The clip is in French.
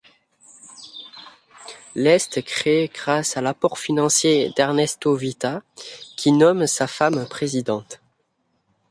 L' est créée grâce à l'apport financier d'Ernesto Vita, qui nomme sa femme présidente.